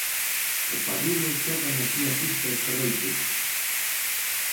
O Parrulo xoga na súa pista esta noite.